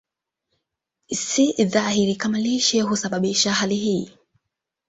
Si dhahiri kama lishe husababisha hali hii.